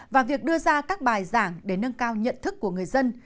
và việc đưa ra các bài giảng để nâng cao nhận thức của người dân